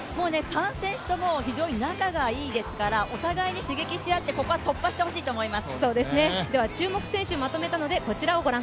３選手とも非常に仲がいいですから、お互いに刺激し合ってここは突破してほしいと思います。